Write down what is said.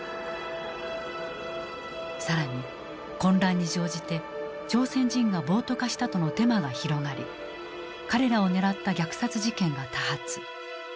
更に混乱に乗じて朝鮮人が暴徒化したとのデマが広がり彼らを狙った虐殺事件が多発。